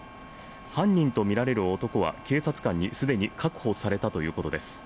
犯人とみられる男は警察官に既に確保されたということです。